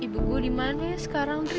ibu saya dimana sekarang tri